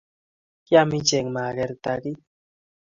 Kiam ichek magerta kiy